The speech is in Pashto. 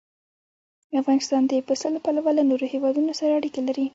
افغانستان د پسه له پلوه له نورو هېوادونو سره اړیکې لري.